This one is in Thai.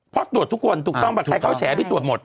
เพราะตรวจทุกคนถูกต้องป่ะใครเข้าแฉพี่ตรวจหมด